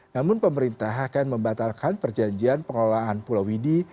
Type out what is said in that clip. namun pemerintah akan membatalkan perjanjian pengelolaan pulau widi